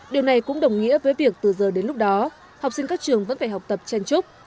điều này cũng đồng nghĩa với việc từ giờ đến lúc đó học sinh các trường vẫn phải học tập chen chúc